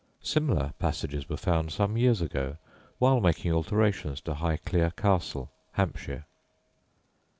Similar passages were found some years ago while making alterations to Highclere Castle Hampshire.